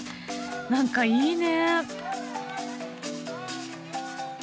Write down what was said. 何かいいね。